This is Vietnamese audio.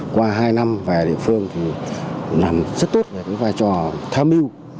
qua hai năm về địa phương thì làm rất tốt về cái vai trò tham mưu